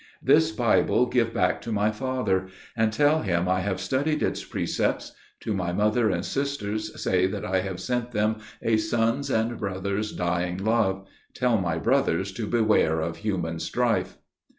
This Bible, give back to my father, and tell him I have studied its precepts: to my mother and sisters, say that I have sent them a son's and brother's dying love; tell my brothers to beware of human strife."